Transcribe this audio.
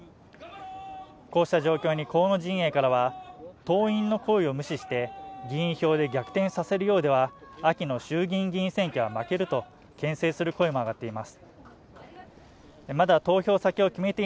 こうした状況に河野陣営からは党員の声を無視して議員票で逆転させるようでは秋の衆議院議員選挙は負けるとけん制する声も上がっています